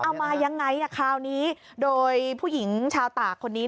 มายังไงคราวนี้โดยผู้หญิงชาวตากคนนี้